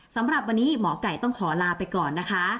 สำหรับวันนี้หมอไก่ต้องขอลาไปก่อนนะคะ